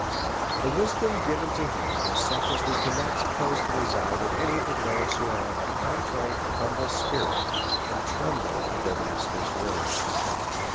The wisdom given to him was such as wc cannot suppose to reside in any but those who are of a contrite and humble spirit, and tremble at their Master's word.